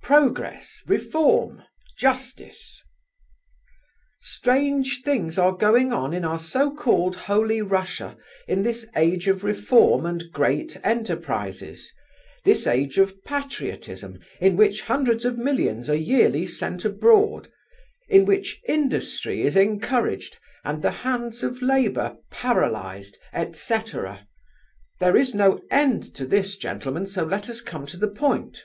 Progress! Reform! Justice!" "Strange things are going on in our so called Holy Russia in this age of reform and great enterprises; this age of patriotism in which hundreds of millions are yearly sent abroad; in which industry is encouraged, and the hands of Labour paralyzed, etc.; there is no end to this, gentlemen, so let us come to the point.